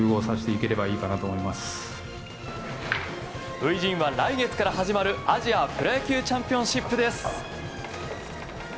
初陣は来月から始まるアジアプロ野球チャンピオンシップです。